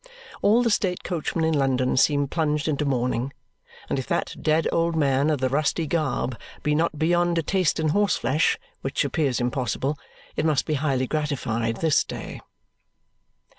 All the state coachmen in London seem plunged into mourning; and if that dead old man of the rusty garb be not beyond a taste in horseflesh (which appears impossible), it must be highly gratified this day.